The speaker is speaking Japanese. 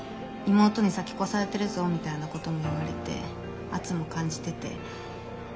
「妹に先越されてるぞ」みたいなことも言われて圧も感じてて。